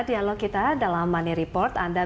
dialog kita dalam money report anda